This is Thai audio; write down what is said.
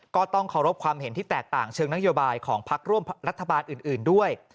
ก็ต้องเคารพความเห็นที่แตกต่างเชิงนโยบายของพักร่วมรัฐบาลอื่นด้วย